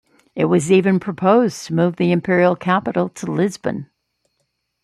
It was even proposed to move the Imperial capital to Lisbon.